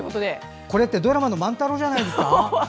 これってドラマの万太郎じゃないですか。